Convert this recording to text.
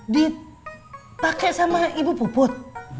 dipakai sama ibu puput